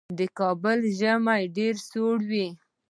د کابل ژمی ډېر سوړ وي.